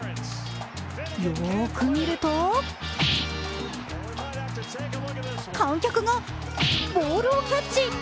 よーく見ると観客がボールをキャッチ。